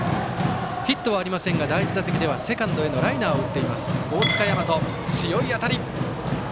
ヒットはありませんが第１打席ではセカンドへのライナーを打っている大塚和央。